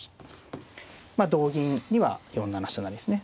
まあ同銀には４七飛車成ですね。